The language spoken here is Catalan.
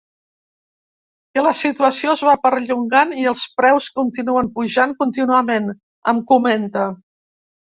Que la situació es va perllongant i els preus continuen pujant contínuament, em comenta.